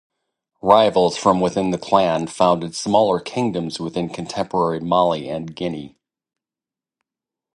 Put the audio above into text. Rivals from within the clan founded smaller kingdoms within contemporary Mali and Guinea.